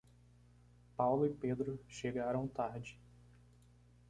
Paulo e Pedro chegaram tarde.